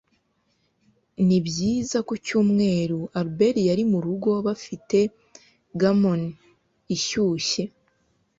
Nibyiza kucyumweru Albert yari murugo bafite gammon ishyushye